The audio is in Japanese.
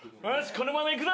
このまま行くぞ。